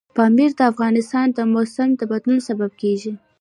پامیر د افغانستان د موسم د بدلون سبب کېږي.